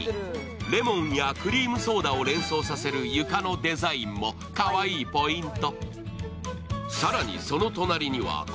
レモンやクリームソーダを連想させる床の色もかわいいポイント。